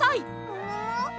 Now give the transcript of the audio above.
ももも？